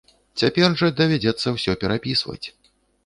Цяпер жа давядзецца ўсё перапісваць.